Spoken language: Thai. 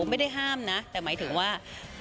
ไม่ได้ห้ามนะแต่หมายถึงว่า